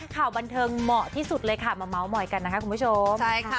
ข่าวบันเทิงเหมาะที่สุดเลยค่ะมาเม้ามอยกันนะคะคุณผู้ชมใช่ค่ะ